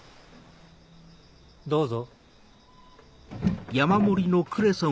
どうぞ。